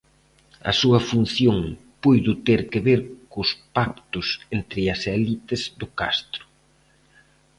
A súa función puido ter que ver cos pactos entre as elites do castro.